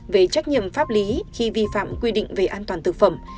về trách nhiệm pháp lý khi vi phạm quy định về an toàn thực phẩm